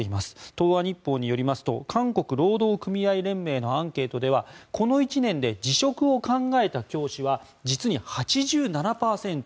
東亜日報によりますと韓国労働組合連盟のアンケートではこの１年で辞職を考えた教師は実に８７％。